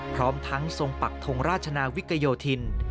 พร้อมทั้งทรงปักทงราชนาวิกโยธิน